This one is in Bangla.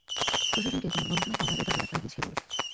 প্রশাসনকে তোমার গবেষণায় পাওয়া রেজাল্টের ব্যাপারে বুঝিয়ে বলো।